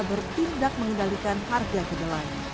bertindak mengendalikan harga gedelai